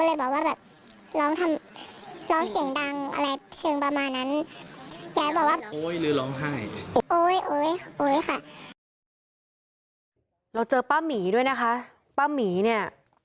เจอป้าหมีด้วยนะคะป้าหมีเนี่ย